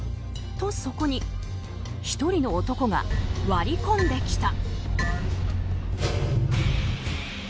と、そこに１人の男が割り込んできた。